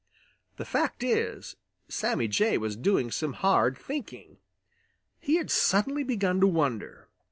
The fact is, Sammy Jay was doing some hard thinking. He had suddenly begun to wonder.